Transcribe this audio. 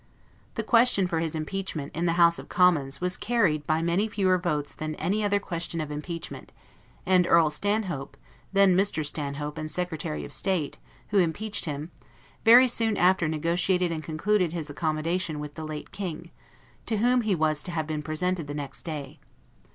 The question for his impeachment, in the House of Commons, was carried by many fewer votes than any other question of impeachment; and Earl Stanhope, then Mr. Stanhope, and Secretary' of State, who impeached him, very soon after negotiated and concluded his accommodation with the late King; to whom he was to have been presented the next day.